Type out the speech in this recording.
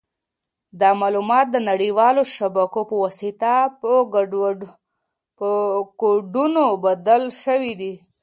دا معلومات د نړیوالو شبکو په واسطه په کوډونو بدل شوي دي.